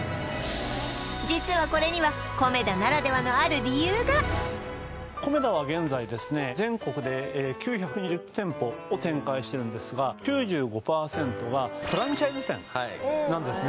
実はこれにはコメダならではのある理由がコメダは現在ですね全国で９２０店舗を展開してるんですが９５％がフランチャイズ店なんですね